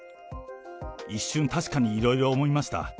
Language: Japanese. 一瞬、確かにいろいろ思いました。